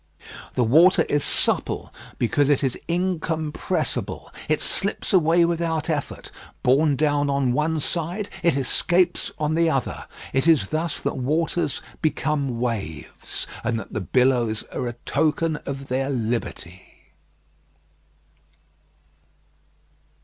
The water is supple because it is incompressible. It slips away without effort. Borne down on one side, it escapes on the other. It is thus that waters become waves, and that the billows are a token of their liberty.